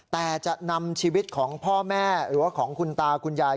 แต่จะนำชีวิตของพ่อแม่หรือว่าของคุณตาคุณยาย